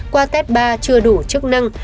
qua tết ba chưa đủ chức năng